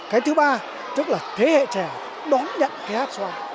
cái thứ ba tức là thế hệ trẻ đón nhận cái hát xoan